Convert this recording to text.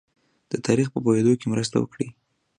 د تاریخ په پوهېدو کې مرسته وکړي.